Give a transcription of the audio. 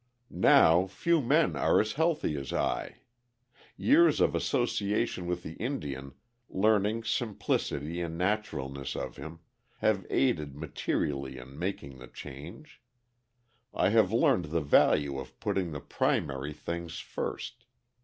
Now few men are as healthy as I. Years of association with the Indian, learning simplicity and naturalness of him, have aided materially in making the change. I have learned the value of putting the primary things first.